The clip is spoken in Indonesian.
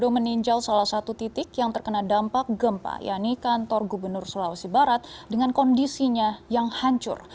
meninjau salah satu titik yang terkena dampak gempa yaitu kantor gubernur sulawesi barat dengan kondisinya yang hancur